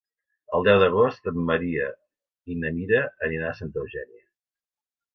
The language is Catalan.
El deu d'agost en Maria i na Mira aniran a Santa Eugènia.